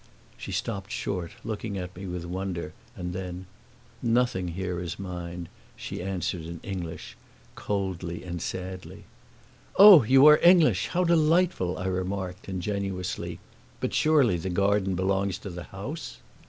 She stopped short, looking at me with wonder; and then, "Nothing here is mine," she answered in English, coldly and sadly. "Oh, you are English; how delightful!" I remarked, ingenuously. "But surely the garden belongs to the house?"